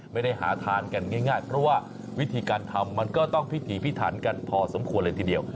ไม่ได้หาทานกันง่ายเพราะว่าวิธีการทำมันก็ต้องพิถีพิถันกันพอสมควรเลยทีเดียว